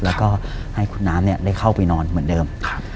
แล้วก็ให้คุณน้ำได้เข้าไปนอนเหมือนเดิม